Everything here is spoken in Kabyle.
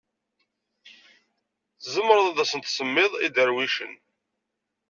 Tzemreḍ ad asen-tsemmiḍ iderwicen.